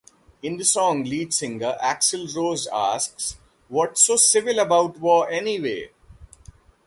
In the song, lead singer Axl Rose asks, What's so civil about war, anyway?